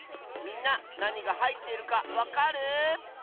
みんななにがはいっているかわかる？